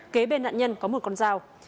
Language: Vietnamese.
kế bên nạn nhân có một con dao